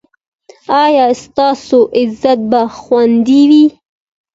ایا ستاسو عزت به خوندي وي؟